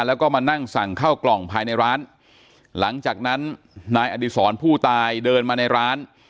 แล้วก็มานั่งสั่งเข้ากล่องภายในร้านหลังจากนั้นนายอดีศรผู้ตายเดินมาในร้าน